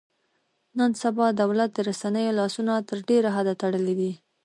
نن سبا دولت د رسنیو لاسونه تر ډېره حده تړلي دي.